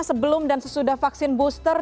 sebelum dan sesudah vaksin booster